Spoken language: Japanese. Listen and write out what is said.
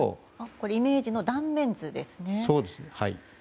これはイメージの断面図ですね。